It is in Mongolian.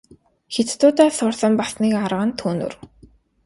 Хятадуудаас сурсан бас нэг арга нь төөнүүр.